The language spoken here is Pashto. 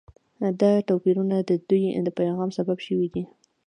دا توپیرونه د دوی د پیغام سبب شوي دي.